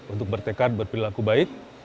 untuk bertekad berpilih laku baik